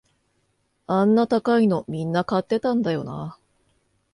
あんな高いのみんな買ってたんだよな